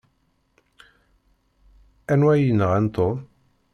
Anwa ay yenɣan Tom?